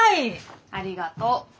ありがと。